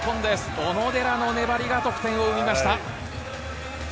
小野寺の粘りが得点を見ました。